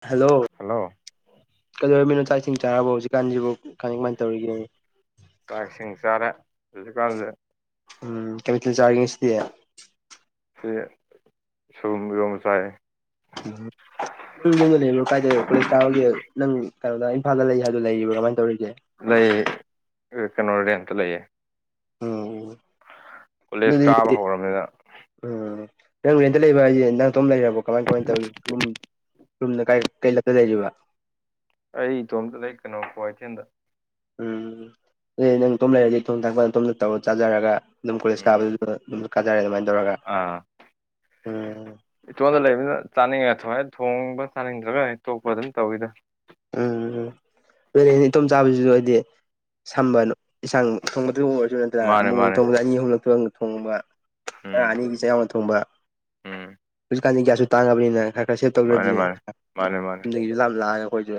hello hello ꯀꯩꯗꯧꯔꯕꯃꯤꯅꯣ ꯆꯥꯛ ꯏꯁꯤꯡ ꯆꯥꯔꯕ ꯍꯧꯖꯤꯛꯀꯥꯟꯁꯤꯕꯨ ꯀ ꯀꯃꯥꯏꯅ ꯇꯧꯔꯤꯒꯦ ꯆꯥꯛ ꯏꯁꯤꯡ ꯆꯥꯔꯦ ꯍꯧꯖꯤꯛꯀꯥꯟꯗ ꯎꯝ ꯀꯦꯃꯤꯇꯦꯜ ꯆꯥꯔꯒꯁꯤꯗꯤ ꯁꯤ ꯁꯨꯝ ꯌꯣꯝ ꯆꯥꯏ ꯎ ꯌꯦ ꯂꯩꯂ ꯀꯥꯏꯗ ꯀꯣꯂꯦꯁ ꯀꯥꯒꯦ ꯅꯪ ꯀꯩꯅꯣꯗ ꯏꯝꯐꯥꯜꯗ ꯂꯩ ꯍꯥꯏꯗꯣ ꯂꯩꯔꯤꯕ꯭ꯔꯥ ꯀꯃꯥꯏꯅ ꯇꯧꯔꯤꯒꯦ ꯂꯩ ꯀꯩꯅꯣꯗꯤ ꯑꯝꯇ ꯂꯩꯌꯦ ꯎꯝ ꯀꯣꯂꯦꯖ ꯗꯨꯗꯤ ꯀꯥꯕ ꯍꯧꯔꯕꯅꯤꯅ ꯎꯝ ꯅꯪ ꯅꯦꯟꯇ ꯂꯩꯕ ꯍꯥꯏꯁꯦ ꯅꯪꯇꯣꯝ ꯂꯩꯔꯕꯣ ꯀꯃꯥꯏ ꯀꯃꯥꯏꯅ ꯇꯧꯋ ꯔꯨꯝꯗ ꯀ ꯀꯩꯂꯛꯇ ꯂꯩꯔꯤꯕ ꯑꯩ ꯏꯇꯣꯝꯇ ꯂꯩ ꯀꯩꯅꯣ ꯀ꯭ꯋꯥꯊꯦꯜꯗ ꯎꯝ ꯑꯗꯨ ꯅꯪ ꯑꯇꯣꯝ ꯂꯩꯔꯗꯤ ꯊꯣꯡ ꯊꯥꯛꯄꯜ ꯑꯇꯣꯝꯗ ꯇꯧꯔ ꯆꯥꯖꯔꯒ ꯑꯗꯨꯝ ꯀꯣꯂꯦꯖ ꯎꯝ ꯀꯥꯕꯗꯨꯗ ꯑꯗꯨꯝ ꯀꯥꯖꯔꯦ ꯑꯗꯨꯃꯥꯏꯅ ꯇꯧꯔꯒ ꯎꯝ ꯏꯇꯣꯟꯗ ꯂꯩꯕꯅꯤꯅ ꯆꯥꯅꯤꯡꯉ ꯊꯃꯥꯏꯅ ꯊꯣꯡꯕ ꯆꯥꯅꯤꯡꯗ꯭ꯔꯒ ꯇꯣꯛꯄ ꯑꯗꯨꯝ ꯇꯧꯋꯤꯗ ꯎꯝꯝ ꯂꯣꯏꯔꯅꯤ ꯏꯇꯣꯝ ꯆꯥꯕꯁꯤꯗ ꯑꯩꯗꯤ ꯁꯝꯕꯅꯨ ꯏꯟꯥꯡ ꯊꯣꯡꯕꯗꯨꯕꯨ ꯑꯣꯏꯔꯁꯨ ꯅꯠꯇꯅ ꯃꯥꯅꯦ ꯑꯃꯨꯛ ꯑꯃꯨꯛ ꯃꯥꯅꯦ ꯊꯣꯡꯕꯗ ꯑꯅꯤ ꯑꯍꯨꯝꯂꯛꯇ ꯊꯣꯡꯕ ꯎꯝ ꯑꯅꯤꯒꯤꯁ ꯌꯥꯝꯅ ꯊꯣꯡꯕ ꯎꯝ ꯀꯥꯟꯗ ꯒ꯭ꯌꯥꯁꯁꯨ ꯇꯥꯡꯉꯕꯅꯤꯅ ꯈꯔ ꯈꯔ ꯁꯦꯞ ꯃꯥꯅꯦ ꯇꯧꯖ꯭ꯔꯗꯤꯅꯦ ꯃꯥꯅꯦ ꯃꯥꯅꯦ ꯃꯥꯅꯦ ꯌꯨꯝꯗꯒꯤꯁꯨ ꯂꯥ ꯂꯥꯛꯑꯒ ꯑꯩꯈꯣꯏꯁꯨ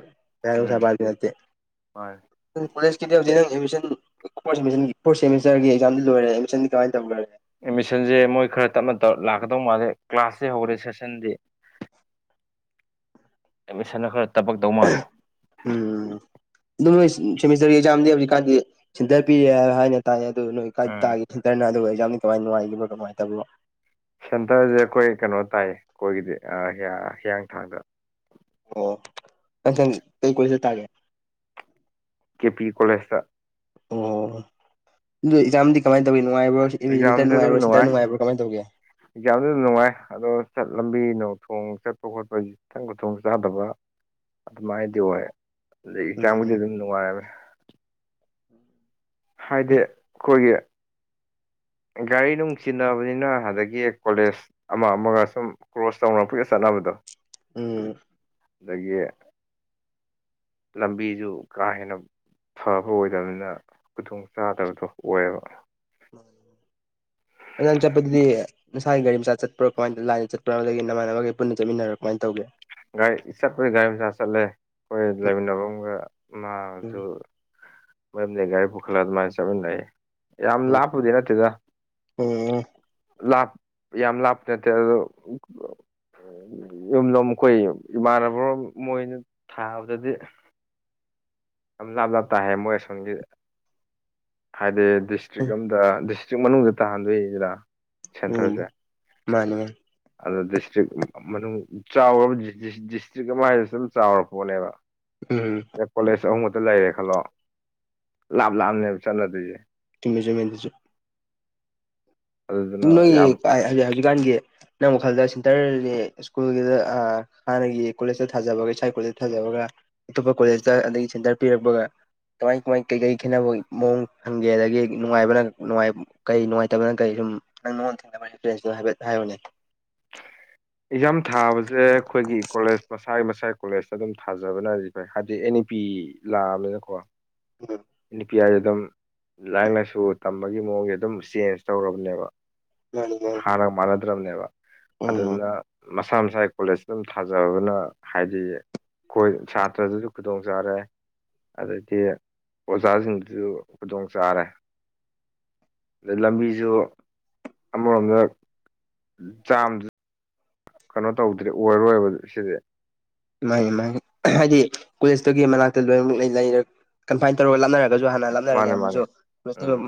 ꯎꯝ ꯔꯁꯥꯄꯥꯥꯅꯠꯇꯦ ꯃꯥꯅꯦ ꯅꯪ ꯀꯣꯂꯦꯖꯀꯤꯗꯤ ꯍꯧꯖꯤꯛ ꯅꯪ ꯑꯦꯗꯃꯤꯁꯟ ꯐꯣꯔꯠꯦꯃꯤꯁꯇꯔꯒꯤ ꯑꯦꯛꯖꯥꯝꯗꯤ ꯂꯣꯏꯔꯦ ꯑꯦꯗꯃꯤꯁꯟꯗꯤ ꯀꯃꯥꯏꯅ ꯇꯧ ꯂꯣꯏꯔꯦ ꯑꯦꯠꯃꯤꯁꯟꯁꯦ ꯃꯣꯏ ꯈꯔ ꯇꯞꯅ ꯂꯥꯛꯀꯗꯧ ꯃꯥꯜꯂꯦ ꯀ꯭ꯂꯥꯁꯇ ꯍꯧꯔꯦ ꯁꯦꯁꯟꯗꯤ [unintelligible] ꯑꯦꯠꯃꯤꯁꯟꯅ ꯈꯔ ꯊꯕꯛ ꯇꯧ ꯃꯥꯜꯂꯦ ꯎꯝ ꯑꯗꯨꯝꯣꯏ ꯁꯦꯃꯤꯁꯇꯔꯒꯤ ꯑꯦꯛꯖꯥꯝꯗꯤ ꯍꯧꯖꯤꯛꯀꯥꯟꯗꯤ ꯁꯤꯟꯊꯔ ꯄꯤꯔꯦ ꯍꯥꯏ ꯍꯥꯏꯅ ꯇꯥꯏ ꯑꯗꯨꯣ ꯅꯣꯏ ꯀꯥꯏ ꯎꯝ ꯇꯥꯒꯦ ꯈꯟꯇꯅ ꯑꯗꯨꯒ ꯑꯩꯛꯖꯥꯝ ꯀꯃꯥꯏ ꯅꯨꯡꯉꯥꯏꯈꯤꯕꯅ ꯅꯨꯡꯉꯥꯏꯇꯕ꯭ꯔꯣ ꯁꯦꯟꯇꯔꯁꯦ ꯑꯩꯈꯣꯏ ꯀꯩꯅꯣ ꯇꯥꯏꯌꯦ ꯑꯩꯈꯣꯏꯒꯤꯗꯤ ꯍꯤꯌꯥꯡꯊꯥꯡꯗ ꯑꯣ ꯅꯪꯊꯪ ꯀꯩ ꯀꯣꯏ ꯆꯠ ꯇꯥꯒꯦ ꯀꯦ ꯄꯤ ꯀꯣꯂꯦꯁ ꯑꯣ ꯑꯗꯨ ꯑꯦꯛꯖꯥꯝꯗꯤ ꯀꯃꯥꯏꯅ ꯇꯧꯒꯦ ꯅꯨꯡꯉꯥꯏꯕ꯭ꯔꯣ ꯏꯇꯔ ꯑꯦꯛꯖꯥꯝꯁꯦ ꯅꯨꯡꯉꯥꯏꯕ꯭ꯔꯣ ꯁꯤꯗ ꯅꯨꯡꯉꯥꯏꯕ꯭ꯔꯣ ꯀꯃꯥꯏꯅ ꯇꯧꯒꯦ ꯑꯦꯛꯖꯥꯝꯗꯨꯗ ꯅꯨꯡꯉꯥꯏ ꯑꯗꯣ ꯆꯠ ꯂꯝꯕꯤ ꯊꯣꯡ ꯆꯠꯄ ꯈꯣꯠꯄꯁꯤ ꯏꯊꯪ ꯈꯨꯊꯣꯡ ꯆꯥꯗꯕ ꯑꯗꯨꯃꯥꯏꯅꯗꯤ ꯑꯣꯏ ꯑꯗꯨꯩ ꯌꯦꯟꯁꯥꯡꯕꯨꯗꯤ ꯎꯝ ꯑꯗꯨꯝ ꯅꯨꯡꯉꯥꯏꯔꯝꯃꯦ ꯍꯥꯏꯗꯤ ꯑꯩꯈꯣꯏꯒꯤ ꯒꯥꯔꯤ ꯅꯨꯡꯁꯤꯟꯅꯅꯕꯅꯤꯅ ꯑꯗꯒꯤ ꯀꯣꯂꯦꯖ ꯑꯃ ꯑꯃꯒ ꯁꯨꯝ ꯀ꯭ꯔꯣꯁ ꯇꯧꯅꯕ ꯄꯤꯒ ꯆꯠꯅꯕꯗꯣ ꯎ ꯑꯗꯒꯤ ꯂꯝꯕꯤꯁꯨ ꯀꯥ ꯍꯦꯟꯅ ꯐꯕ ꯑꯣꯏꯗꯕꯅꯤꯅ ꯈꯨꯗꯣꯡ ꯆꯥꯗꯕꯗꯣ ꯑꯣꯏꯌꯦꯕ ꯅꯅ ꯆꯄꯗꯤꯗꯤ ꯅꯁꯥꯒꯤꯒꯥꯔꯤ ꯃꯆꯥ ꯆꯠꯄ꯭ꯔꯣ ꯀꯃꯥꯏꯅ ꯂꯥꯏꯅ ꯆꯠꯄ꯭ꯔꯣ ꯑꯗꯒꯤ ꯅꯃꯥꯟꯅꯕꯈꯒꯤ ꯄꯨꯟꯅ ꯆꯠꯃꯤꯟꯅꯔꯣ ꯀꯃꯥꯏꯅ ꯇꯧꯒꯦ ꯒꯥꯔꯤ ꯆꯠꯄꯩ ꯒꯥꯔꯤ ꯃꯆꯥ ꯆꯠꯂꯦ ꯑꯩꯈꯣꯏ ꯂꯩꯃꯤꯟꯅꯕꯒ ꯃꯥ ꯎꯝ ꯑꯗꯨ ꯃꯣꯏꯨꯝꯗꯒꯤ ꯒꯥꯔꯤ ꯄꯨꯈꯠꯂꯒ ꯑꯗꯨꯃꯥꯏꯅ ꯆꯠꯃꯤꯟꯅꯩ ꯌꯥꯝ ꯎꯝ ꯂꯥꯞꯄꯗꯤ ꯅꯠꯇꯦꯗ ꯎꯝ ꯂꯥꯞ ꯌꯥꯝ ꯂꯥꯞ ꯅꯠꯇꯦ ꯑꯣ ꯌꯨꯝ ꯌꯝ ꯑꯩꯈꯣꯏ ꯏꯃꯥꯟꯅꯕ ꯃꯣꯏꯅ ꯊꯥꯕꯗꯗꯤ ꯌꯥꯝ ꯂꯥꯞ ꯂꯥꯞ ꯇꯥꯏꯍ ꯃꯣꯏ ꯑꯁꯣꯝꯒꯤ ꯍꯥꯏꯗꯤ ꯗꯤꯁꯇ꯭ꯔꯤꯛ ꯎꯝ ꯑꯝꯗꯁ ꯍꯧꯛ ꯃꯅꯨꯡꯗ ꯇꯥꯍꯟꯗꯣꯏꯁꯤꯅ ꯎꯝ ꯁꯦꯟꯇꯔꯁꯦ ꯃꯥꯅꯤ ꯃꯥꯅꯤ ꯑꯗꯣ ꯗꯤꯁꯇ꯭ꯔꯤꯛ ꯃꯅꯨꯡ ꯆꯥꯎꯔꯕ ꯗꯤꯁꯇ꯭ꯔꯤꯛ ꯑꯃ ꯍꯥꯏꯔ ꯁꯝ ꯆꯥꯎꯔꯕ ꯄꯣꯠꯅꯦꯕ ꯎꯝ ꯀꯣꯂꯦꯖ ꯑꯍꯨꯝꯃꯛꯇ ꯂꯩꯔꯦ ꯈꯜꯂꯣ ꯂꯥꯞ ꯂꯥꯞꯅꯦꯕ ꯆꯠꯅꯗꯣꯏꯁꯦ ꯆꯨꯝꯃꯦ ꯆꯨꯝꯃꯦ ꯑꯗꯨꯁꯨ ꯑꯗꯨꯗꯨꯅ ꯅꯣꯏꯒꯤ ꯌꯥꯝ ꯍꯧ ꯍꯧꯖꯤꯛꯀꯥꯟꯒꯤ ꯅꯪ ꯋꯥꯈꯜꯗ ꯁꯦꯟꯇꯔꯁꯤ ꯁ꯭ꯀꯨꯜꯒꯤꯗ ꯍꯥꯟꯅꯒꯤ ꯀꯣꯂꯦꯖꯇ ꯊꯥꯖꯕꯒ ꯏꯁꯥꯏ ꯀꯣꯂꯦꯖꯇ ꯊꯥꯖꯕꯒ ꯑꯇꯣꯞꯄ ꯀꯣꯂꯦꯖꯇ ꯑꯗꯒꯤ ꯁꯦꯟꯇꯔ ꯄꯤꯔꯛꯄꯒ ꯀꯃꯥꯏ ꯀꯃꯥꯏ ꯀꯩꯀꯩ ꯈꯦꯠꯅꯕ ꯃꯑꯣꯡ ꯐꯪꯒꯦ ꯑꯗꯒꯤ ꯅꯨꯡꯉꯥꯏꯕ꯭ꯔꯥ ꯅꯨꯡꯉꯥꯏ ꯀꯔꯤ ꯅꯨꯡꯉꯥꯏꯇꯕ ꯅꯪ ꯀꯔꯤ ꯁꯨꯝ ꯅꯪ ꯅꯉꯣꯟꯗ ꯊꯦꯡꯅꯕ ꯑꯦꯛꯁꯄꯤꯔꯦꯟꯁꯇꯨ ꯍꯥꯏꯐꯦꯠ ꯍꯥꯏꯔꯝꯑꯣꯅꯦ ꯑꯦꯛꯖꯥꯝ ꯊꯥꯕꯁꯦ ꯑꯩꯈꯣꯏꯒꯤ ꯀꯣꯂꯦꯖ ꯃꯁꯥꯒꯤ ꯃꯁꯥꯒꯤ ꯀꯣꯂꯦꯖꯇ ꯑꯗꯨꯝ ꯊꯥꯖꯕꯅꯗꯤ ꯐꯩ ꯍꯥꯏꯗꯤ ꯑꯦꯟ ꯏ ꯄꯤ ꯂꯥꯛꯑꯕꯅꯤꯅꯀꯣ ꯎꯝ ꯅꯨꯄꯤꯌꯥꯁꯦ ꯑꯗꯨꯝ ꯂꯥꯏꯔꯤꯛ ꯂꯥꯏꯁꯨ ꯇꯝꯕꯒꯤ ꯃꯑꯣꯡꯁꯦ ꯑꯗꯨꯝ ꯆꯦꯟꯖ ꯇꯧꯔꯕꯅꯦꯕ ꯃꯥꯅꯤ ꯃꯥꯅꯤ ꯍꯥꯟꯅꯒ ꯃꯥꯟꯅꯗ꯭ꯔꯕꯅꯦꯕ ꯎꯝ ꯑꯗꯨꯗꯨꯅ ꯃꯁꯥ ꯃꯁꯥꯒꯤ ꯀꯣꯂꯦꯖꯇ ꯑꯗꯨꯝ ꯊꯥꯖꯕꯅ ꯍꯥꯏꯗꯤ ꯑꯩꯈꯣꯏ ꯁꯥꯇ꯭ꯔꯗꯨꯁꯨ ꯈꯨꯗꯣꯡ ꯆꯥꯔꯦ ꯑꯗꯩꯗꯤ ꯑꯣꯖꯥꯁꯤꯡꯗꯨꯁꯨ ꯈꯨꯗꯣꯡ ꯆꯥꯔꯦ ꯑꯗꯩ ꯂꯝꯕꯤꯁꯨ ꯑꯃꯔꯣꯝꯗ ꯆꯥꯝ ꯀꯩꯅꯣ ꯇꯧꯗ꯭ꯔꯦ ꯑꯣꯏꯔꯔꯣꯏꯕ ꯁꯤꯗꯤ ꯃꯥꯅꯤ ꯃꯥꯅꯤ ꯍꯥꯏꯗꯤ ꯀꯣꯂꯦꯖꯇꯨꯒꯤ ꯃꯅꯥꯛꯇ ꯂꯣꯏꯅ ꯂꯩꯔ ꯀꯟꯐꯥꯏ [inaudible] ꯇꯧꯔ ꯂꯞꯅꯔꯒꯁꯨ ꯍꯥꯟꯅ ꯇꯧꯔ ꯂꯩ ꯃꯥꯅꯦ ꯑꯗꯨ ꯃꯥꯅꯦ ꯎꯝ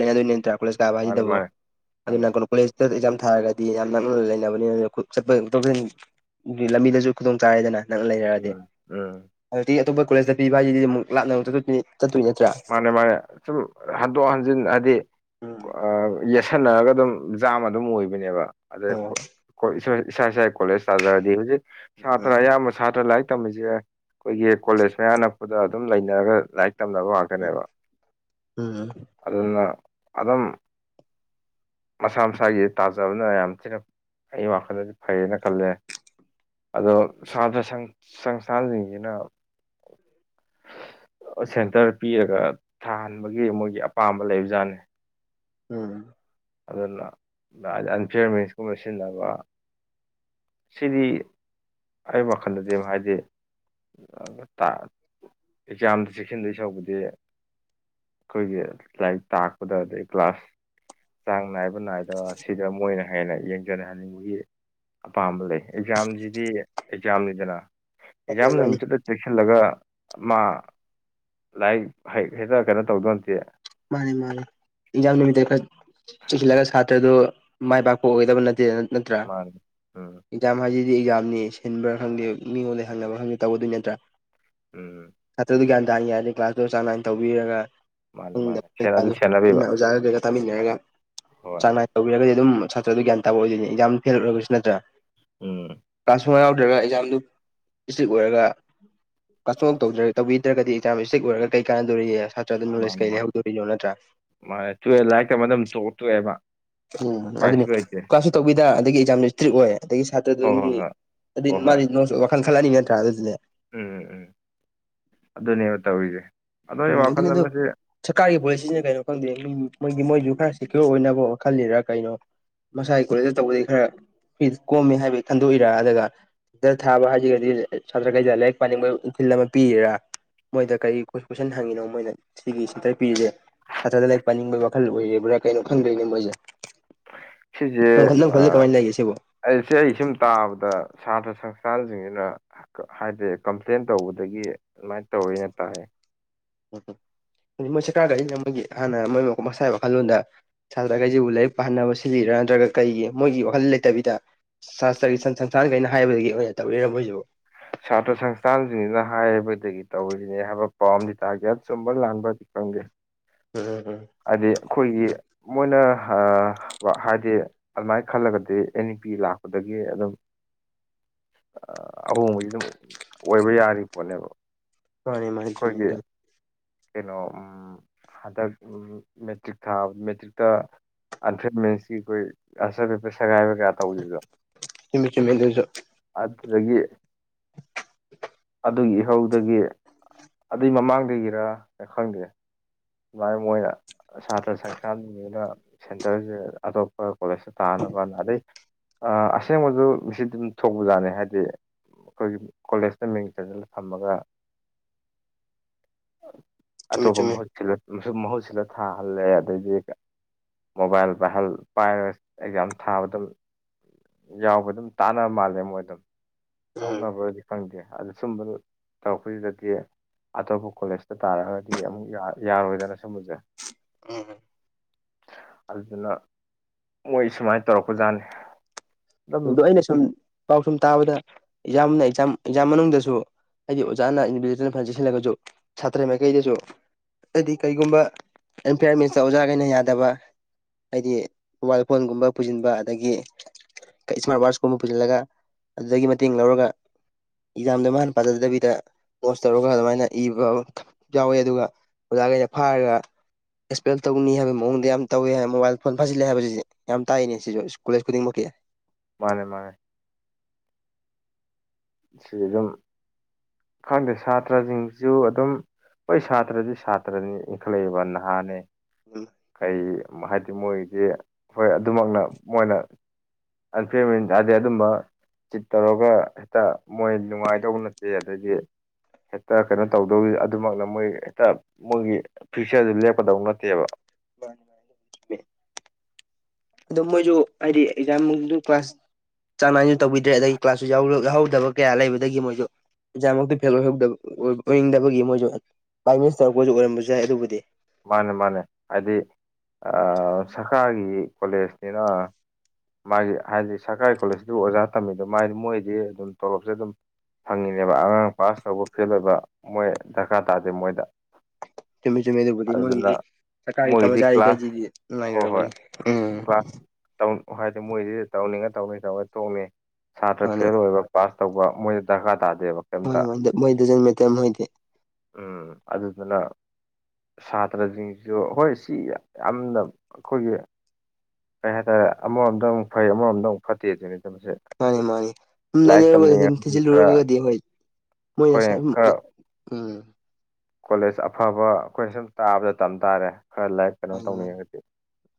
[inaudible] ꯅꯠꯇ ꯀꯣꯦ ꯀꯥꯕ ꯃꯥꯅꯦ ꯍꯥꯏꯁꯤꯗꯕꯨ ꯃꯥꯅꯦ ꯃꯥꯅꯦ ꯑꯗꯨ ꯀꯣꯂꯦꯖꯇ ꯑꯦꯛꯖꯥꯝ ꯊꯥꯔꯒꯗꯤ ꯌꯥꯝ ꯅꯛꯅ ꯂꯩꯅꯕꯅꯤ ꯑꯗꯨ ꯆꯠꯄ ꯂꯝꯕꯤꯗꯁꯨ ꯈꯨꯗꯣꯡ ꯆꯥꯔꯦꯗꯅ ꯅꯪꯅ ꯂꯩꯅꯔꯗꯤ ꯎꯝ ꯎꯝ ꯑꯗꯨꯗꯤ ꯑꯇꯣꯞꯄ ꯀꯣꯂꯦꯖꯇ ꯄꯤꯕ ꯍꯥꯏꯁꯤꯗꯤ ꯑꯃꯨꯛ ꯂꯞꯅ ꯆꯠꯇꯣꯏꯅꯦ ꯅꯠꯇ꯭ꯔꯥ ꯃꯥꯅꯦ ꯃꯥꯅꯦ ꯁꯨꯝ ꯍꯟꯗꯣꯛ ꯍꯟꯖꯤꯟ ꯍꯥꯏꯗꯤ ꯎꯝ ꯌꯦꯠꯁꯟꯅꯔꯒ ꯑꯗꯨꯝ ꯖꯥꯝ ꯑꯗꯨꯝ ꯑꯣꯏꯕꯅꯦꯕ ꯑꯗ ꯑꯣ ꯏꯁꯥ ꯏꯁꯥ ꯀꯣꯂꯦꯖ ꯇꯥꯖꯔꯗꯤ ꯍꯧꯖꯤꯛ ꯎꯝ ꯁꯥꯇ꯭ꯔ ꯑꯌꯥꯝꯕ ꯁꯥꯇ꯭ꯔ ꯂꯥꯏꯔꯤꯛ ꯇꯝꯃꯤꯁꯦ ꯑꯩꯈꯣꯏꯒꯤ ꯀꯣꯂꯦꯖ ꯃꯌꯥ ꯅꯛꯄꯗ ꯑꯗꯨꯝ ꯂꯩꯅꯔꯒ ꯂꯥꯏꯔꯤꯛ ꯇꯝꯅꯕ ꯉꯥꯛ ꯎꯝ ꯑꯗꯨꯅ ꯑꯗꯨꯝ ꯃꯁꯥ ꯃꯁꯥꯒꯤ ꯇꯥꯖꯕꯅ ꯌꯥꯝ ꯊꯤꯅ ꯑꯩ ꯋꯥꯈꯜꯗꯗꯤ ꯐꯩꯌꯦꯅ ꯈꯜꯂꯦ ꯑꯗꯣ ꯁꯥꯇ꯭ꯔ ꯁꯪꯁꯊꯥꯟꯁꯤꯡꯁꯤꯅ ꯁꯦꯟꯇꯔ ꯄꯤꯔꯒ ꯊꯥꯍꯟꯕꯒꯤ ꯃꯣꯏꯒꯤ ꯑꯄꯥꯝꯕ ꯂꯩꯕ ꯖꯥꯠꯅꯦ ꯎꯝ ꯑꯗꯨꯅ ꯍꯥꯏꯗꯤ ꯑꯟꯐꯤꯌꯔ ꯃꯤꯟꯁꯀꯨꯝꯕ ꯁꯤꯖꯤꯟꯅꯕ ꯁꯤꯗꯤ ꯑꯩ ꯋꯥꯈꯜꯗꯗꯤ ꯍꯥꯏꯗꯤ ꯑꯦꯛꯖꯥꯝꯗ ꯆꯦꯛꯁꯤꯟꯗꯣꯏ ꯁꯔꯨꯛꯄꯨꯗꯤ ꯑꯩꯈꯣꯏꯒꯤ ꯂꯥꯏꯔꯤꯛ ꯇꯥꯛꯄꯗ ꯑꯗꯩ ꯀ꯭ꯂꯥꯁ ꯆꯥꯡ ꯅꯥꯏꯕ ꯅꯥꯏꯗꯕ ꯁꯤꯗ ꯃꯣꯏꯅ ꯍꯦꯟꯅ ꯌꯦꯡꯖꯥꯟꯍꯟꯅꯤꯡꯕꯒꯤ ꯑꯄꯥꯝꯕ ꯂꯩ ꯑꯦꯛꯖꯥꯝꯁꯤꯗꯤ ꯑꯦꯛꯖꯥꯝꯅꯤꯗꯅ ꯃꯥꯅꯦ ꯑꯦꯛꯖꯥꯝ ꯃꯥꯅꯦ ꯅꯨꯃꯤꯠꯇꯨꯗ ꯆꯦꯛꯁꯤꯜꯂꯒ ꯃꯥ ꯂꯥꯏꯔꯤꯛ ꯍ ꯍꯦꯛꯇ ꯀꯩꯅꯣ ꯇꯧꯗꯧ ꯅꯠꯇꯦ ꯃꯥꯅꯦ ꯃꯥꯅꯤ ꯌꯦꯛꯖꯥꯝ ꯅꯨꯃꯤꯇ ꯈꯛ ꯆꯤꯁꯤꯜꯂꯒ ꯁꯥꯇ꯭ꯔꯗꯨ ꯃꯥꯏ ꯄꯥꯛꯄ ꯑꯣꯏꯒꯗꯕ ꯅꯠꯇꯦ ꯅꯠꯇ꯭ꯔꯥ ꯃꯥꯅꯤ ꯎꯝ ꯑꯦꯛꯖꯥꯝ ꯍꯥꯏꯁꯤꯗꯤ ꯑꯦꯛꯖꯥꯝꯅꯤ ꯁꯤꯟꯕ꯭ꯔꯥ ꯈꯪꯗꯦ ꯃꯤꯉꯣꯟꯗ ꯍꯪꯅꯕ ꯈꯪꯗꯦ ꯇꯧꯒꯗꯣꯏ ꯅꯠꯇ꯭ꯔꯥ ꯎꯝꯝ ꯁꯥꯠꯇ꯭ꯔꯥꯗꯣ ꯒ꯭ꯌꯥꯟ ꯇꯥꯅ ꯌꯥꯔꯗꯤ ꯀ꯭ꯂꯥꯁ ꯇꯣ ꯆꯥꯡ ꯂꯥꯏꯅ ꯇꯧꯕꯤꯔꯒ ꯃꯥꯅꯦ ꯃꯥꯅꯦ ꯁꯦꯟ ꯑꯗꯨ ꯀꯩ ꯁꯦꯟꯅꯕꯤꯕ ꯄꯨꯟꯅ ꯑꯣꯖꯥꯒ ꯀꯩꯀꯥ ꯇꯥꯃꯤꯟꯅꯔꯒ ꯍꯣꯏ ꯆꯥꯡ ꯅꯥꯏ ꯇꯧꯕꯤꯔꯒꯗꯤ ꯑꯗꯨꯝ ꯑꯗꯨ ꯒ꯭ꯌꯥꯟ ꯇꯕꯥ ꯑꯣꯢꯗꯣꯢꯅꯦ ꯑꯦꯛꯖꯥꯝ ꯐꯦꯜ ꯑꯣꯏꯔꯒꯁꯨ ꯅꯠꯇꯥ ꯎꯝ ꯇꯥꯟꯐꯔ ꯌꯥꯎꯗ꯭ꯔꯒ ꯑꯦꯛꯖꯥꯝꯗꯨ ꯏꯁꯇ꯭ꯔꯤꯛ ꯑꯣꯏꯔꯒ ꯀ꯭ꯂꯥꯁ ꯁꯨꯡꯇꯧ ꯇꯧꯕꯤ ꯅꯠꯇ꯭ꯔꯒꯗꯤ ꯑꯦꯛꯖꯥꯝ ꯏꯁꯇ꯭ꯔꯤꯛ ꯑꯣꯏꯒ ꯀꯩ ꯀꯥꯟꯅꯗꯣꯔꯤꯌꯦ ꯁꯥꯇ꯭ꯔꯗ ꯅꯣꯂꯦꯖ ꯃꯥꯅꯦ ꯀꯩ ꯃꯥꯅꯦ ꯂꯩꯍꯧꯗꯣꯅꯣ ꯅꯠꯇ꯭ꯔꯥ ꯃꯥꯅꯦ ꯇꯨꯌꯦꯜ ꯂꯥꯏꯔꯤꯛꯀꯩ ꯃꯇꯝꯗ ꯇꯣꯛꯑꯦꯕ ꯎꯝ ꯎꯄꯥꯏꯁꯨ ꯑꯗꯨꯅꯤ ꯂꯩꯇꯦ ꯀ꯭ꯂꯥꯁꯁꯨ ꯇꯧꯕꯤꯗ ꯑꯗꯒꯤ ꯑꯦꯛꯖꯥꯝꯁꯨ ꯏꯁꯇ꯭ꯔꯤꯛ ꯑꯣꯏ ꯑꯗꯒꯤ ꯍꯣꯏ ꯍꯣꯏ ꯁꯥꯇ꯭ꯔꯗꯨꯒꯤ ꯍꯣꯏ ꯑꯗꯨꯗꯤ ꯍꯣꯏ ꯍꯣꯏ ꯃꯥꯗꯤ ꯅꫭꯁ ꯋꯥꯈꯜ ꯈꯜꯂꯥꯛꯅꯤ ꯅꯠꯇ꯭ꯔꯥ ꯑꯗꯨꯗꯤ ꯎꯝ ꯎꯝ ꯑꯗꯨꯅꯦꯕ ꯇꯧꯔꯤꯁꯦ ꯑꯗꯣ ꯎꯝ ꯑꯩ ꯑꯗꯨꯅꯦ ꯋꯥꯈꯜꯗ ꯑꯗꫭ ꯃꯁꯤ ꯁꯔꯀꯥ꯭ꯔꯒꯤ ꯄꯣꯂꯤꯁꯤꯅ ꯀꯩꯅꯣ ꯈꯪꯗꯦ ꯃꯣꯏꯒꯤ ꯃꯣꯏꯁꯨ ꯈꯔ ꯁꯦꯀ꯭ꯌꯣꯔ ꯑꯣꯏꯅꯕ ꯈꯜꯂꯤꯔꯥ ꯀꯩꯅꯣ ꯃꯁꯥꯒꯤ ꯀꯣꯂꯦꯖꯇ ꯇꯧꯕꯗꯤ ꯈꯔ ꯐꯤ ꯀꯣꯝꯃꯦ ꯍꯥꯏꯕꯒꯤ ꯈꯟꯗꯣꯛꯏꯔ ꯑꯗꯨꯒ [unintelligible] ꯊꯥꯕ ꯍꯥꯏꯁꯤꯔꯒꯗꯤ ꯁꯥꯇ꯭ꯔꯈꯩꯗ ꯂꯥꯏꯔꯤꯛ ꯄꯥꯅꯤꯡꯕ ꯏꯊꯤꯜ ꯑꯃ ꯄꯤꯔꯤꯔꯥ ꯃꯣꯏꯗ ꯀꯩ ꯀꯣꯏꯁꯟ ꯍꯪꯉꯤꯅꯣ ꯃꯣꯏꯅ ꯁꯤꯒꯤ ꯁꯦꯟꯇꯔ ꯄꯤꯔꯤꯁꯦ ꯅꯠꯇ꯭ꯔꯒꯥ ꯂꯥꯏꯔꯤꯛ ꯄꯥꯅꯤꯡꯕꯒꯤ ꯋꯥꯈꯜ ꯑꯣꯏꯔꯤꯕ꯭ꯔꯥ ꯀꯩꯅꯣ ꯈꯪꯗꯣꯏꯅꯦ ꯃꯣꯏꯁꯦ ꯁꯤꯁꯦ ꯅꯪꯋꯈꯥꯜ ꯋꯈꯥꯜ ꯀꯃꯥꯏ ꯂꯩꯒꯦ ꯁꯤꯕꯨ ꯑꯩꯁꯦ ꯑꯩ ꯁꯨꯝ ꯇꯥꯕꯗ ꯁꯥꯇ꯭ꯔ ꯁꯪꯁꯊꯥꯟꯁꯤꯡꯁꯤꯅ ꯍꯥꯏꯗꯤ ꯀꯝꯄ꯭ꯂꯦꯟ ꯇꯧꯕꯗꯒꯤ ꯑꯗꯨꯃꯥꯏꯅ ꯇꯧꯋꯦꯅ ꯇꯥꯏ ꯎꯝꯝ ꯃꯣꯏ ꯁꯔꯀꯥ꯭ꯔꯗ ꯑꯩꯅ ꯃꯣꯏꯒꯤ ꯍꯥꯟꯅ ꯃꯣꯏ ꯃꯁꯥꯒꯤ ꯋꯥꯈꯜꯂꯣꯟꯗ ꯁꯥꯇ꯭ꯔꯈꯩꯁꯤꯕꯨ ꯂꯥꯏꯔꯤꯛ ꯄꯥꯍꯟꯅꯕ ꯁꯤꯜꯂꯤꯕ꯭ꯔꯥ ꯅꯠꯇ꯭ꯔꯒ ꯀꯩꯒꯤ ꯃꯣꯏꯒꯤ ꯋꯥꯈꯜ ꯂꯩꯇꯕꯤꯗ ꯁꯥꯇ꯭ꯔꯒꯤ ꯁꯪꯁꯊꯥꯟꯈꯩꯅ ꯍꯥꯏꯕꯗꯒꯤ ꯑꯣꯏꯅ ꯇꯧꯔꯤꯔꯥ ꯃꯣꯏꯁꯤꯕꯨ ꯁꯥꯇ꯭ꯔ ꯁꯪꯁꯊꯥꯟꯁꯤꯡꯁꯤꯅ ꯍꯥꯏꯕꯗꯒꯤ ꯇꯧꯔꯤꯅꯦ ꯍꯥꯏꯕ ꯄꯥꯎꯝ ꯑꯃꯗꯤ ꯇꯥꯈꯤ ꯑꯗꯨ ꯑꯆꯨꯝꯕ ꯂꯥꯟꯕꯗꯤ ꯈꯪꯗꯦ ꯎꯝꯝ ꯍꯥꯏꯗꯤ ꯑꯩꯈꯣꯏꯒꯤ ꯃꯣꯏꯅ ꯍꯥ ꯍꯥꯏꯗꯤ ꯑꯗꯨꯃꯥꯏꯅ ꯈꯜꯂꯒꯗꯤ ꯑꯦ ꯅꯤ ꯄꯤ ꯂꯥꯛꯄꯗꯒꯤ ꯑꯗꯨꯝ [inaudible] ꯑꯍꯣꯡꯕꯁꯤ ꯑꯗꯨꯝ ꯑꯣꯏꯕ ꯌꯥꯔꯤ ꯄꯣꯠꯅꯦꯕ ꯃꯥꯅꯤ ꯃꯥꯅꯤ ꯆꯨꯝꯃꯤ ꯑꯩꯈꯣꯏꯒꯤ ꯑꯗꯨ ꯀꯩꯅꯣ ꯎꯝ ꯍꯟꯗꯛ ꯃꯦꯇ꯭ꯔꯤꯛ ꯊꯥꯕ ꯃꯦꯇ꯭ꯔꯤꯛꯇ ꯑꯟꯐꯦꯌꯥꯔ ꯃꯤꯟꯁꯀꯤ ꯑꯩꯈꯣꯏ ꯑꯟꯁꯔ ꯄꯦꯄꯔ ꯁꯒꯥꯏꯕꯒ ꯇꯧꯈꯤꯕꯗꯣ ꯆꯨꯝꯃꯤ ꯆꯨꯝꯃꯤ ꯑꯗꯨꯁꯨ ꯑꯗꯨꯗꯒꯤ ꯑꯗꯨꯒꯤ ꯏꯍꯧꯗꯒꯤ ꯑꯗꯨꯏ ꯃꯃꯥꯡꯗꯒꯤꯔ ꯈꯪꯗꯦ ꯑꯗꯨꯃꯥꯏꯅ ꯃꯣꯏꯅ ꯁꯥꯇ꯭ꯔ ꯁꯪꯁꯊꯥꯟꯅꯤꯅ ꯁꯦꯟꯇꯔꯁꯦ ꯑꯇꯣꯞꯄ ꯍꯣꯏ ꯀꯣꯂꯦꯖꯇ ꯇꯥꯅꯕ ꯑꯗꯩ ꯑꯁꯦꯡꯕꯁꯨ ꯃꯤꯁꯤ ꯑꯗꯨꯝ ꯊꯣꯛꯄꯖꯥꯠꯅꯤ ꯍꯥꯏꯗꯤ ꯑꯩꯈꯣꯏꯒꯤ ꯀꯣꯂꯦꯖꯇ ꯃꯤꯡ ꯆꯥꯟꯁꯤꯡꯂꯥꯒ ꯊꯝꯃꯒ ꯆꯨꯝꯃꯤ ꯑꯇꯣꯞꯄ ꯆꯨꯝꯃꯤ ꯃꯍꯨꯠ ꯁꯤ ꯃꯍꯨꯠ ꯁꯤꯜꯂ ꯊꯥꯍꯜꯂꯦ ꯑꯗꯩꯗꯤ ꯃꯣꯕꯥꯏꯜ ꯄꯥꯏꯍꯜ ꯄꯥꯏꯔꯒ ꯑꯦꯛꯖꯥꯝ ꯊꯥꯕ ꯑꯗꯨꯝ ꯌꯥꯎꯕ ꯑꯗꯨꯝ ꯇꯥꯟꯅꯕ ꯃꯥꯜꯂꯦ ꯃꯣꯏꯗꫭ ꯎꯝ ꯌꯥꯎꯅꯕꯗꯤ ꯈꯪꯗꯦ ꯑꯗꯨ ꯁꯨꯝꯕ ꯇꯧꯔꯄꯁꯤꯗꯗꯤ ꯑꯇꯣꯞꯄ ꯀꯣꯂꯦꯖꯇ ꯇꯥꯔꯒꯗꯤ ꯑꯃꯨꯛ ꯌꯥꯔꯣꯏꯗꯅ ꯁꯨꯝꯕꯁꯦ ꯎꯝ ꯑꯗꯨꯗꯨꯅ ꯃꯣꯏ ꯁꯨꯃꯥꯏꯅ ꯇꯧꯔꯛꯄꯖꯥꯠꯅꯤ ꯑꯗꯨꯝ ꯑꯗꯣ ꯑꯩꯅ ꯁꯨꯝ ꯄꯥꯎ ꯁꯨꯝ ꯇꯥꯕꯗ ꯑꯦꯛꯖꯥꯝꯅ ꯑꯦꯛꯖꯥꯝ ꯑꯦꯛꯖꯥꯝ ꯃꯅꯨꯡꯗꯁꯨ ꯍꯥꯏꯗꯤ ꯑꯣꯖꯥꯅ ꯏꯟꯕꯤꯖꯤꯂꯦꯇꯔꯅ ꯐꯅ ꯆꯦꯁꯤꯜꯂꯒꯁꯨ ꯁꯥꯇ꯭ꯔ ꯃꯥꯏꯀꯩꯗꯁꯨ ꯍꯥꯏꯗꯤ ꯀꯔꯤꯒꯨꯝꯕ ꯑꯦꯟꯐꯤꯌꯥꯔꯃꯦꯟꯁꯇ ꯑꯣꯖꯥꯈꯩꯅ ꯌꯥꯗꯕ ꯍꯥꯏꯗꯤ ꯃꯣꯕꯥꯏꯜ ꯐꯣꯟꯒꯨꯝꯕ ꯄꯨꯁꯤꯟꯕ ꯑꯗꯒꯤ ꯏꯁꯃꯥꯔꯠ ꯋꯥꯠꯆꯀꯨꯝꯕ ꯄꯨꯁꯤꯜꯂꯒ ꯑꯗꯨꯗꯒꯤ ꯃꯇꯦꯡ ꯂꯧꯔꯒ ꯑꯦꯛꯖꯥꯝꯗ ꯃꯥ ꯄꯥꯖꯗꯕꯤꯗ ꯄꯣꯁ ꯇꯧꯔꯒ ꯑꯗꯨꯃꯥꯏꯅ ꯏꯕ ꯌꯥꯎꯋꯦ ꯑꯗꯨꯒ ꯑꯣꯖꯥꯈꯩꯅ ꯐꯥꯔꯒ ꯑꯦꯛꯄꯦꯜ ꯇꯧꯅꯤ ꯍꯥꯏꯕ ꯃꯑꯣꯡꯗ ꯌꯥꯝ ꯇꯧꯋꯤ ꯍꯥꯏ ꯃꯣꯕꯥꯏꯜ ꯐꯣꯟ ꯐꯥꯖꯤꯜꯂꯦ ꯍꯥꯏꯕꯁꯤꯗꯤ ꯌꯥꯝ ꯇꯥꯏꯅꯦ ꯁꯤꯁꯨ ꯁ꯭ꯨꯂꯦꯖ ꯈꯨꯗꯤꯡꯃꯛꯀꯤ ꯃꯥꯅꯦ ꯃꯥꯅꯦ ꯁꯤ ꯑꯗꯨꯝ ꯈꯪꯗꯦ ꯁꯥꯇ꯭ꯔꯁꯤꯡꯁꯨ ꯑꯗꯨꯝ ꯍꯣꯏ ꯁꯥꯇ꯭ꯔꯗꯤ ꯁꯥꯇ꯭ꯔꯅꯤ ꯏꯟꯈꯠꯂꯛꯏꯕ ꯅꯍꯥꯅꯦ ꯀꯩ ꯁꯨꯝ ꯍꯥꯏꯗꯤ ꯃꯣꯏꯒꯤ ꯍꯣꯏ ꯑꯗꯨꯃꯛꯅ ꯃꯣꯏꯅ ꯑꯟꯐꯤꯔꯃꯦꯟ ꯇꯥꯗꯗꯤ ꯑꯗꯨꯝꯕ ꯆꯤꯠ ꯇꯧꯔꯒ ꯇ ꯃꯣꯏ ꯅꯨꯡꯉꯥꯏꯗꯧꯕ ꯅꯠꯇꯦ ꯑꯗꯒꯤ ꯍꯦꯛꯇ ꯀꯩꯅꯣ ꯇꯧꯗꯧꯔꯤ ꯑꯗꯨꯃꯛꯅ ꯃꯣꯏ ꯍꯦꯛꯇ ꯃꯣꯏꯒꯤ ꯐꯤꯌꯨꯆꯔꯗꯨ ꯂꯦꯞꯀꯗꯧ ꯅꯠꯇꯦꯕ ꯃꯥꯅꯤ ꯃꯥꯅꯦ ꯑꯣ ꯃꯣꯏꯁꯨ ꯍꯥꯏꯗꯤ ꯑꯦꯛꯖꯥꯝ ꯀ꯭ꯂꯥꯁ ꯆꯥꯡ ꯅꯥꯏꯅꯁꯨ ꯇꯧꯕꯤꯗ꯭ꯔꯦ ꯑꯗꯒꯤ ꯀ꯭ꯂꯥꯁꯁꯨ ꯌꯥꯎꯍꯧꯗꯕ ꯀꯌꯥ ꯂꯩꯕꯗꯒꯤ ꯃꯣꯏꯁꯨ ꯑꯦꯛꯖꯥꯝꯃꯛꯇꯤ ꯐꯦꯜ ꯑꯣꯏꯍꯧꯗꯕ ꯑꯣꯏꯅꯤꯡꯗꯕꯒꯤ ꯃꯣꯏꯁꯨ ꯥꯏ ꯃꯤꯟꯁ ꯇꯧꯔꯛꯄꯁꯨ ꯑꯣꯏꯔꯝꯕꯁꯨ ꯌꯥꯏ ꯑꯗꯨꯕꯨꯗꯤ ꯃꯥꯅꯦ ꯃꯥꯅꯦ ꯍꯥꯏꯗꯤ ꯁꯔꯀꯥꯔꯒꯤ ꯀꯣꯂꯦꯖꯅꯤꯅ ꯃꯥꯒꯤ ꯍꯥꯏꯗꯤ ꯁꯔꯀꯥꯔꯒꯤ ꯀꯣꯂꯦꯖꯇꯗꯤ ꯑꯣꯖꯥ ꯇꯝꯃꯤꯗꯣ ꯃꯥꯗꯤ ꯃꯣꯏꯗꯤ ꯑꯗꯨꯝ ꯇꯣꯂꯣꯞꯁꯦ ꯑꯗꯨꯝ ꯐꯪꯉꯤꯅꯦꯕ ꯑꯉꯥꯡ ꯄꯥꯁ ꯇꯧꯕ ꯐꯦꯜ ꯑꯣꯏꯕ ꯃꯣꯏ ꯗꯔꯀꯥꯔ ꯇꯥꯗꯦ ꯃꯣꯏꯗ ꯆꯨꯝꯃꯦ ꯆꯨꯝꯃꯦ ꯑꯗꯨꯕꯨꯗꯤ ꯑꯗꯨꯅ ꯃꯣꯏꯒꯤꯗꯤ ꯁꯔꯀꯥꯔꯒꯤ ꯃꯣꯏꯒꯤꯗꯤ ꯀ꯭ꯂꯥꯁ ꯀꯔꯃꯆꯥꯔꯤꯈꯩꯁꯤꯗꯤ ꯍꯣꯏ ꯍꯣꯏ ꯅꯨꯡꯉꯥꯏꯅꯔꯕꯅꯤ ꯎꯝ ꯀ꯭ꯂꯥꯁ ꯍꯥꯏꯗꯤ ꯃꯣꯏꯁꯤ ꯇꯧꯅꯤꯡꯉ ꯇꯧꯅꯤꯡꯉ ꯇꯧꯅꯤ ꯇꯣꯡꯅꯤꯡ ꯁꯥꯇ꯭ꯔ ꯃꯥꯅꯦ ꯐꯦꯜ ꯑꯣꯏꯕ ꯄꯥꯁ ꯇꯧꯕ ꯃꯣꯏꯗ ꯗꯔꯀꯥꯔ ꯇꯥꯗꯦꯕ ꯍꯣꯏ ꯀꯩꯝꯇ ꯃꯣꯏꯗꯖꯟ ꯃꯇꯣꯏꯗꯤꯦ ꯎꯝ ꯑꯗꯨꯗꯨꯅ ꯁꯥꯇ꯭ꯔꯁꯤꯡꯁꯨ ꯍꯣꯏ ꯁꯤ ꯌꯥꯝꯅ ꯑꯩꯈꯣꯏꯒꯤ ꯀꯩ ꯍꯥꯏꯇꯥꯔꯦ ꯑꯃꯔꯣꯝꯗ ꯑꯃꯨꯛ ꯐꯩ ꯑꯃꯔꯣꯝꯗ ꯑꯃꯨꯛ ꯐꯠꯇꯦ ꯑꯗꯨꯅꯤꯠꯇꯕꯁꯦ ꯃꯥꯅꯤ ꯃꯥꯅꯤ ꯁꯨꯝ ꯅꯩꯅꯔꯨꯔꯒꯗꯤ ꯑꯗꯨꯝ ꯈꯔ ꯊꯤꯖꯤꯜꯂꯨꯔꯒꯒꯗꯤ ꯍꯣꯏ ꯃꯣꯏꯅ ꯑꯩꯈꯣꯏꯅ ꯈꯔ ꯎꯝ ꯀꯣꯂꯦꯖ ꯑꯐꯕ ꯑꯩꯈꯣꯏꯅ ꯁꯨꯝ ꯇꯥꯕꯗ ꯇꯝ ꯇꯥꯔꯦ ꯈꯔ ꯂꯥꯏꯔꯤꯛ ꯀꯩꯅꯣ ꯃꯥꯅꯤ ꯃꯥꯅꯤ ꯇꯧꯅꯤꯡꯒꯗꯤ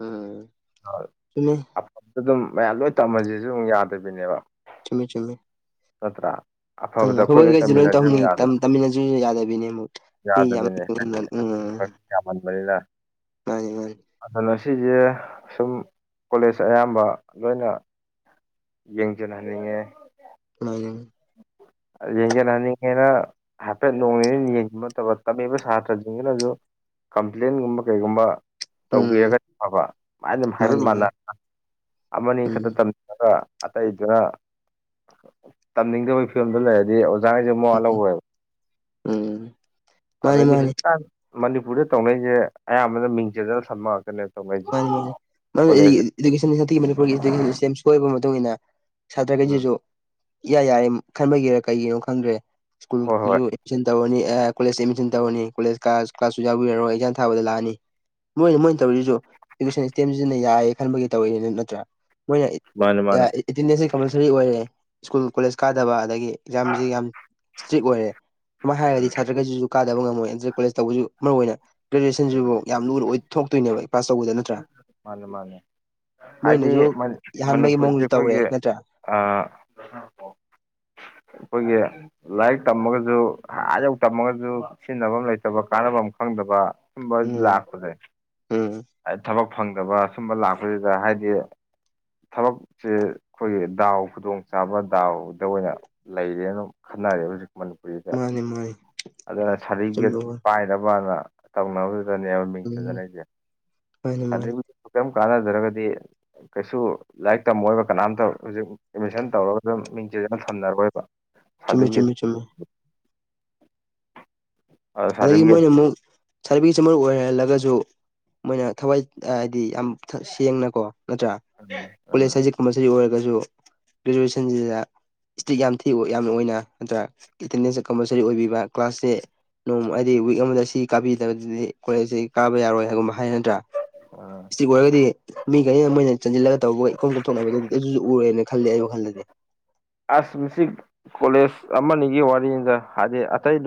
ꯎꯝ ꯑ ꯆꯨꯝꯃꯦ ꯑꯗꯨ ꯑꯗꯨꯝ ꯃꯌꯥꯝ ꯂꯣꯏ ꯇꯝꯃꯟꯁꯤꯁꯨ ꯑꯗꯨꯝ ꯌꯥꯗꯕꯤꯅꯦꯕ ꯆꯨꯝꯃꯦ ꯆꯨꯝꯃꯦ ꯅꯠꯇꯔ ꯑꯪ ꯍꯧꯕꯣꯏꯜꯈꯩꯁꯨ ꯂꯣꯏ ꯇꯧꯍꯟꯅꯤꯡ ꯇꯝꯃꯤꯟꯅꯁꯨ ꯌꯥꯗꯕꯤꯅꯤ ꯑꯃꯨꯛ ꯃꯤ ꯎꯝ ꯀꯌꯥꯝꯃꯟ ꯂꯩꯗ ꯃꯥ ꯃꯥ ꯑꯗꯨꯅ ꯁꯤꯁꯦ ꯁꯨꯝ ꯀꯣꯂꯦꯖ ꯑꯌꯥꯝꯕ ꯂꯣꯏꯅ ꯌꯦꯡꯁꯤꯟꯍꯟꯅꯤꯡꯉꯦ ꯎ [unintelligible] ꯌꯦꯡꯁꯤꯟꯍꯟꯅꯤꯡꯉꯦꯅ ꯍꯥꯏꯐꯦꯠ ꯅꯣꯡ ꯅꯤꯅꯤ ꯌꯦꯡꯁꯤꯟꯕ ꯃꯇꯝꯕ ꯇꯝꯃꯤꯕ ꯁꯥꯇ꯭ꯔꯁꯤꯡꯁꯤꯅꯁꯨ ꯀꯝꯄ꯭ꯂꯦꯟꯒꯨꯝꯕ ꯀꯩꯒꯨꯝꯕ ꯎꯝ ꯇꯧꯕꯤꯔꯒ ꯐꯕ ꯑꯗꯨꯃꯥꯏꯅ ꯑꯗꯨꯝ ꯍꯥꯏꯕ ꯃꯥꯅꯤ ꯃꯥꯟꯅ ꯃꯥꯅꯤ ꯑꯃꯅꯤ ꯎꯝ ꯈꯛꯇ ꯑꯗꯨꯒ ꯑꯇꯩꯗꯨꯅ ꯇꯝꯅꯤꯡꯗꯕꯒꯤ ꯐꯤꯕꯝꯗꯣ ꯂꯩꯔꯗꯤ ꯑꯣꯖꯥꯈꯁꯦ ꯃꯣꯋꯥ ꯎꯝ ꯂꯧꯔꯦꯕ ꯎꯝ ꯃꯥꯅꯤ ꯑꯗꯩꯗꯤ ꯃꯥꯅꯤ ꯍꯧꯖꯤꯛꯀꯥꯟ ꯃꯅꯤꯄꯨꯔꯗ ꯇꯧꯅꯔꯤꯁꯦ ꯑꯌꯥꯝꯕꯅ ꯃꯤꯡ ꯆꯗꯅ ꯁꯝꯃꯛꯑꯀꯅꯦ ꯃꯥꯅꯤ ꯃꯥꯅꯤ ꯏꯀꯦꯁꯟꯟꯤ ꯃꯅꯤꯄꯨꯔꯒꯤ ꯏꯗꯨꯀꯦꯁꯟ ꯁꯤꯁꯇꯦꯝ ꯁꯣꯏꯕ ꯃꯇꯨꯡ ꯏ ꯃꯇꯨꯡꯏꯟꯅ ꯎꯝ ꯁꯇ꯭ꯔꯥꯒꯩꯖꯤꯖꯨ ꯌꯥꯏ ꯌꯥꯏ ꯈꯟꯕꯒꯤꯔ ꯀꯩꯒꯤꯅꯣ ꯈꯪꯗ꯭ꯔꯦ ꯍꯣꯏ ꯍꯣꯏ ꯁ꯭ꯀꯨꯜꯁꯨ ꯑꯦꯗꯃꯤꯁꯟ ꯇꯧꯔꯅꯤ ꯀꯣꯂꯦꯖ ꯑꯦꯗꯃꯤꯁꯟ ꯇꯧꯔꯅꯤ ꯀꯣꯂꯦꯖꯥꯁ ꯀ꯭ꯂꯥꯁꯁꯨ ꯌꯥꯎꯕꯤꯔꯣꯏ ꯑꯦꯛꯖꯥ ꯊꯥꯕꯗ ꯂꯥꯛꯑꯅꯤ ꯃꯣꯏꯅ ꯃꯣꯏꯅ ꯇꯧꯔꯤꯁꯤꯁꯨ ꯏꯗꯨꯀꯦꯁꯟ ꯁꯤꯁꯇꯦꯝꯁꯤꯖꯤꯅ ꯌꯥꯏꯌꯦ ꯈꯟꯕꯒꯤ ꯇꯧꯋꯏꯅꯤꯅ ꯅꯠꯇ꯭ꯔꯥ ꯃꯣꯏꯅ ꯃꯥꯅꯦ ꯃꯥꯅꯦ ꯑꯦꯇꯦꯟꯗꯦꯟꯁꯁ ꯀꯝꯄꯜꯁꯔꯤ ꯑꯣꯏꯔꯦ ꯁ꯭ꯀꯨꯜ ꯀꯣꯂꯦꯖ ꯀꯥꯗꯕ ꯑꯗꯒꯤ ꯑꯦꯛꯖꯥꯝꯁꯤ ꯌꯥꯝ ꯏꯁꯇ꯭ꯔꯤꯛ ꯑꯣꯏꯔꯦ ꯑꯗꯨ ꯍꯥꯏꯔꯒꯗꯤ ꯎꯝ ꯁꯥꯇ꯭ꯔꯈꯩꯁꯤꯁꯨ ꯀꯥꯗꯕ ꯉꯝꯃꯣꯏ ꯑꯦꯟꯇ꯭ꯔ ꯀꯣꯂꯦꯖ ꯇꯧꯕꯁꯨ ꯃꯔꯨꯑꯣꯏ ꯑꯣꯏꯅ ꯎꯝ ꯒ꯭ꯔꯦꯖꯨꯑꯦꯁꯟꯁꯤꯕꯨ ꯌꯥꯝ ꯂꯨꯅ ꯑꯣꯏ ꯊꯣꯛꯇꯣꯏꯅꯦꯕ ꯑꯩ ꯄꯥꯁ ꯇꯧꯕꯗ ꯅꯠꯇ꯭ꯔꯥ ꯃꯥꯅꯤ ꯃꯥꯅꯦ ꯍꯥꯏꯗꯤ ꯃꯣꯏꯅꯁꯨ ꯌꯥꯍꯟꯕꯒꯤ ꯃꯅꯤꯄꯨꯔꯁꯦ ꯃꯑꯣꯡꯁꯨ ꯇꯧꯔꯦ ꯑꯩꯈꯣꯏꯒꯤ ꯅꯠꯇ꯭ꯔꯥ ꯑ ꯈꯣꯏꯒꯤ ꯂꯥꯏꯔꯤꯛ ꯇꯝꯃꯒꯁꯨ ꯍꯥꯌꯧ ꯇꯝꯃꯒꯁꯨ ꯁꯤꯖꯤꯟꯅꯐꯝ ꯂꯩꯇꯕ ꯀꯥꯟꯅꯕꯝ ꯈꯪꯗꯕ [unintelligible] ꯎꯝ ꯂꯥꯛꯄꯖꯦ ꯎꯝ ꯊꯕꯛ ꯐꯪꯗꯕ ꯁꯨꯝꯕ ꯂꯥꯛꯄꯁꯤꯗ ꯍꯥꯏꯗꯤ ꯊꯕꯛꯁꯦ ꯈꯣꯏꯒꯤ ꯗꯥꯎ ꯈꯨꯗꯣꯡ ꯆꯥꯕ ꯗꯥꯎꯗ ꯑꯣꯏꯍꯥꯕ ꯂꯩꯔꯦꯅ ꯈꯟꯅꯔꯦ ꯍꯧꯖꯤꯛ ꯃꯅꯤꯄꯨꯔꯤꯗ ꯃꯥꯅꯦ ꯃꯥꯅꯤ ꯑꯗꯨꯅ ꯁꯥꯔꯇꯤꯐꯤꯀꯦꯠ ꯆꯨꯝꯕ ꯋꯥ ꯄꯥꯏꯅꯕꯅ ꯇꯧꯅꯕꯗꯨꯗꯅꯦꯕ ꯃꯤꯡ ꯎꯝ ꯆꯠꯅ [unintelligible] ꯃꯥꯅꯤ ꯃꯥꯅꯤ ꯁꯔꯇꯐꯤ ꯀꯦꯝ ꯀꯥꯟꯅꯗ꯭ꯔꯒꯗꯤ ꯀꯩꯁꯨ ꯂꯥꯏꯔꯤꯛ ꯇꯝꯃꯣꯏꯕ ꯀꯅꯥꯝꯇ ꯍꯧꯖꯤꯛ ꯑꯦꯠꯃꯤꯁꯟ ꯇꯧꯔꯒ ꯑꯗꯨꯝ ꯃꯤꯡꯆꯦꯅ ꯊꯝꯅꯔꯣꯏꯕ ꯆꯨꯝꯃꯤ ꯆꯨꯝꯃꯤ ꯁꯥꯔꯇꯤꯐꯤꯀꯦꯠ ꯆꯨꯝꯃꯤ ꯑꯗꯒꯤ ꯁꯥꯔꯇꯤꯐꯤꯀꯦꯠ ꯃꯣꯏꯅꯃꯨꯛ ꯁꯥꯔꯇꯤꯐꯤꯀꯦꯠꯁ ꯃꯔꯨ ꯑꯣꯏꯍꯜꯂꯒꯁꯨ ꯃꯣꯏꯅ ꯊꯋꯥꯏ ꯍꯥꯏꯗꯤ ꯌꯥꯝ ꯁꯦꯡꯅꯀꯣ ꯅꯠꯇ꯭ꯔꯥ ꯀꯣꯂꯦꯖ ꯍꯥꯏꯁ ꯀꯝꯄꯜꯁꯔꯤ ꯑꯣꯏꯔꯒꯁꯨ ꯒ꯭ꯔꯦꯖꯨꯋꯦꯁꯟꯁꯤꯗ ꯏꯁꯇ꯭ꯔꯤꯛ ꯌꯥꯝ ꯊꯤ ꯌꯥꯝꯅ ꯑꯣꯏꯅ ꯅꯠꯇ꯭ꯔꯒ ꯑꯦꯇꯦꯟꯗꯦꯟꯁꯁꯦ ꯀꯝꯄꯜꯁꯔꯤ ꯑꯣꯏꯕꯤꯕ ꯀ꯭ꯂꯥꯁꯁꯦ ꯅꯣꯡ ꯑꯩꯗꯤ ꯋꯤꯛ ꯑꯃꯗ ꯁꯤ ꯀꯥꯕꯤꯗꯕꯗꯨꯗꯤ ꯀꯣꯂꯦꯖꯁꯤ ꯀꯥꯕ ꯌꯥꯔꯣꯏ ꯍꯥꯏꯒꯨꯝꯕ ꯍꯥꯏꯅꯗ꯭ꯔꯥ [unintelligible] ꯏꯁꯇꯤꯛ ꯑꯣꯏꯔꯒꯗꯤ ꯃꯤ ꯈꯩꯅ ꯃꯣꯏꯅ ꯆꯟꯁꯤꯜꯂꯒ ꯇꯧꯕꯒ ꯏꯀꯣꯡ ꯀꯣꯝꯊꯣꯛꯅꯕꯗꯨ ꯑꯗꯨꯁꯨ ꯎꯔꯦꯅ ꯈꯜꯂꯦ ꯑꯩ ꯋꯥꯈꯜꯗꯗꯤ ꯑꯁ ꯃꯁꯤ ꯀꯣꯂꯦꯖ ꯑꯃꯅꯤꯒꯤ ꯋꯥꯔꯤꯗ ꯍꯥꯏꯗꯤ ꯑꯇꯩꯗ